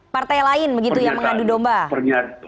partai lain begitu yang mengadu domba